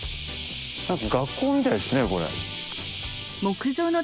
何か学校みたいですねこれ。